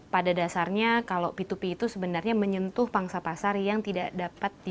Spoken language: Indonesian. pada dasarnya kalau p dua p itu sebenarnya menyentuh pangsa pasar yang tidak dapat